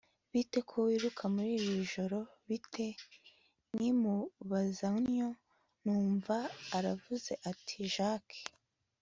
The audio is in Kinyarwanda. bite ko wiruka muriri joro bite!? nkimubaza ntyo, numva aravuze ati jack